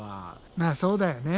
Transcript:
まあそうだよね。